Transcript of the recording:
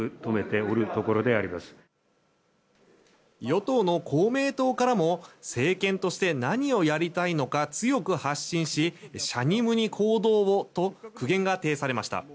与党の公明党からも政権として何をやりたいのか強く発信ししゃにむに行動をと苦言が呈されました。